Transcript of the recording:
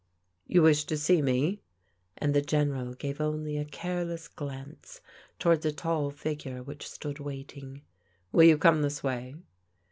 " You wish to see me? " and the General gave only a careless glance towards a tall figure which stood waiting. "Will you come this way?"